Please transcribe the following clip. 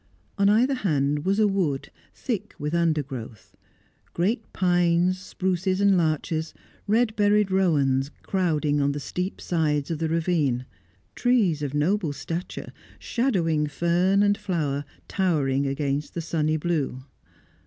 On either hand was a wood, thick with undergrowth; great pines, spruces, and larches, red berried rowans, crowding on the steep sides of the ravine; trees of noble stature, shadowing fern and flower, towering against the sunny blue.